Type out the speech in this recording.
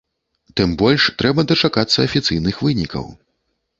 Тым больш трэба дачакацца афіцыйных вынікаў.